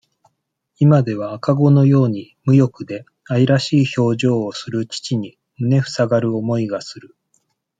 今では、赤子のように、無欲で、愛らしい表情をする父に、胸ふさがる思いがする。